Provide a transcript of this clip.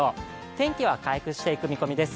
天気は回復していく見込みです。